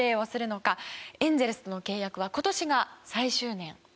エンゼルスの契約は今年が最終年。